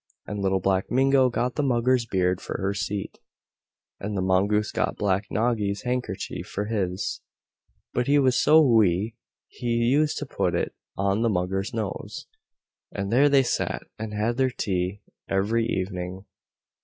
And Little Black Mingo got the Mugger's beard for her seat, and the Mongoose got Black Noggy's handkerchief for his. But he was so wee he used to put it on the Mugger's nose, and there they sat, and had their tea every evening.